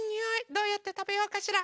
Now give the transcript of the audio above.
どうやってたべようかしら？